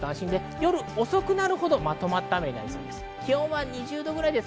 夜遅くなればなるほど、まとまった雨となりそうです。